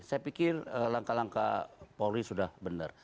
saya pikir langkah langkah polri sudah benar